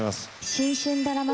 『新春ドラマ